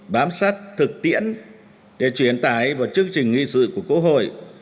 bám sát thực tiễn để chuyển tải vào chương trình nghị sự của quốc hội